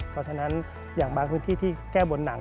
เพราะฉะนั้นอย่างบางพื้นที่ที่แก้บนหนัง